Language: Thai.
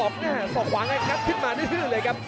กระโดยสิ้งเล็กนี่ออกกันขาสันเหมือนกันครับ